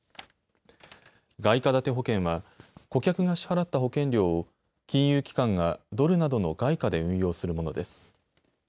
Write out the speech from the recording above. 外貨建て保険は顧客が支払った保険料を金融機関がドルなどの外貨で運用するものです。